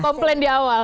komplain di awal